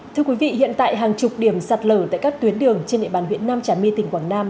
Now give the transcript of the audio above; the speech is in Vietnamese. thưa quý vị hiện tại hàng chục điểm sạt lở tại các tuyến đường trên địa bàn huyện nam trà my tỉnh quảng nam